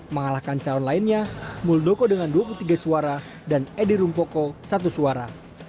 mengalahkan calon lainnya muldoko dengan dua puluh tiga suara dan edi rumpoko satu suara